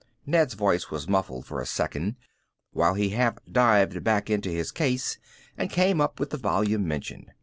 Ned's voice was muffled for a second while he half dived back into his case and came up with the volume mentioned.